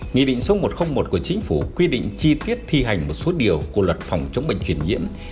nghị định số một trăm linh một của chính phủ quy định chi tiết thi hành một số điều của luật phòng chống bệnh truyền nhiễm